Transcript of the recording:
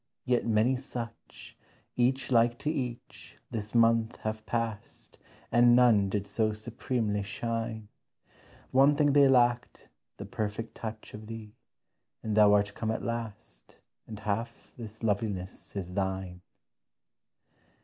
Yet many such, Each like to each, this month have passed, And none did so supremely shine. One thing they lacked: the perfect touch Of thee and thou art come at last, And half this loveliness is thine.